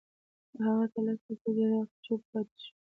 هغه تر لس دقيقې ډېر وخت چوپ پاتې شو.